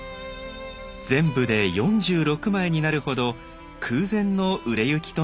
全部で４６枚になるほど空前の売れ行きとなりました。